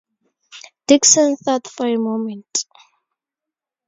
Dickson thought for a moment.